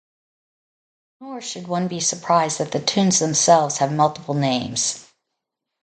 Nor should one be surprised that the tunes themselves have multiple names.